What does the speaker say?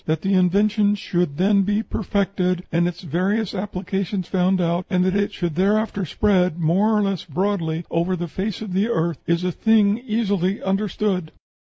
That the invention should then be perfected, and its various applications found out, and that it should thereafter spread more or less broadly over the face of the earth, is a thing easily understood."